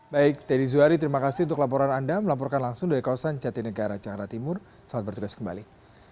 baik teddy zuhari terima kasih untuk laporan anda melaporkan langsung dari kawasan jatinegara jakarta timur selamat bertugas kembali